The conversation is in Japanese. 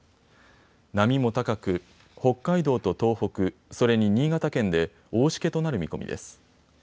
波も高く、北海道と東北、それに新潟県で大しけとなる見込みです。